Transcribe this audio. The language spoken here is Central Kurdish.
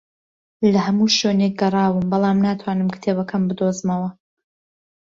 لە هەموو شوێنێک گەڕاوم، بەڵام ناتوانم کتێبەکەم بدۆزمەوە